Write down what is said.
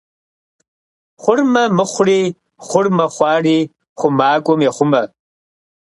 Хъурмэ мыхъури, хъурмэ хъуари хъумакӏуэм ехъумэ.